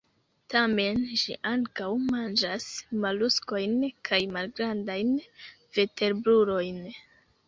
Tamen, ĝi ankaŭ manĝas moluskojn kaj malgrandajn vertebrulojn.